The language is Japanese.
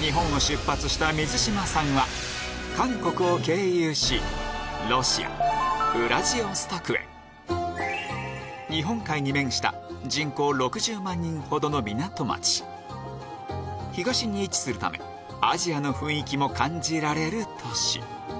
日本を出発した水島さんは韓国を経由しロシアウラジオストクへ日本海に面した人口６０万人ほどの港町東に位置するためアジアの雰囲気も感じられる都市